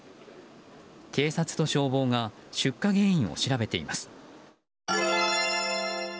警察と消防が出火原因を調べています。